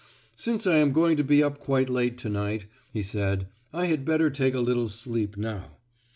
"Since I am going to be up quite late to night," he said, "I had better take a little sleep now."